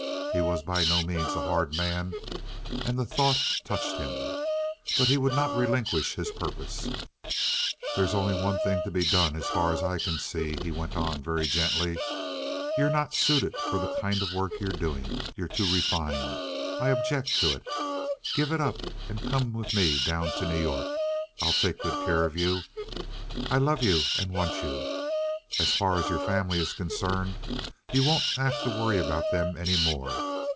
He was by no means a hard man, and the thought touched him. But he would not relinquish his purpose. "There's only one thing to be done, as far as I can see," he went on very gently. "You're not suited for the kind of work you're doing. You're too refined. I object to it. Give it up and come with me down to New York; I'll take good care of you. I love you and want you. As far as your family is concerned, you won't have to worry about them any more.